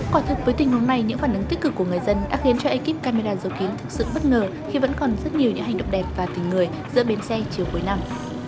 quả thật với tình huống này những phản ứng tích cực của người dân đã khiến cho ekip camera dự kiến thực sự bất ngờ khi vẫn còn rất nhiều những hành động đẹp và tình người giữa bến xe chiều cuối năm